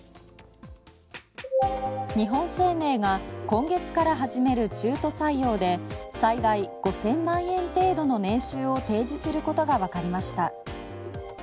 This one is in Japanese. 日本生命が今月から始める中途採用で最大５０００万円程度の年収を提示することがわかりました。